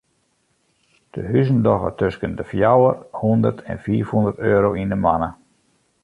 Dy huzen dogge tusken de fjouwer hondert en fiif hondert euro yn de moanne.